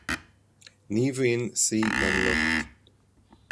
Ní bhíonn saoi gan locht